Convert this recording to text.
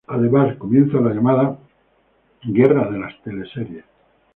Además comienza la llamada "Guerra de las teleseries".